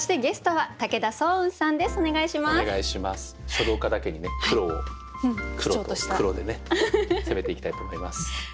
書道家だけにね黒を黒と黒でね攻めていきたいと思います。